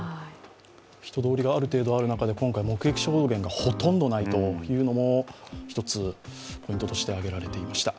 人通りがある程度ある中で今回、目撃証言がほとんどないというのも一つ、ポイントとして挙げられていました。